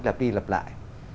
lặp đi lặp lại